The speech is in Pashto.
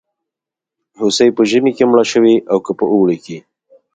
هوسۍ په ژمي کې مړه شوې او که په اوړي کې.